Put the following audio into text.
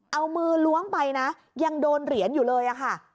เอามือล้วงไปนะยังโดนเหรียญอยู่เลยอะค่ะ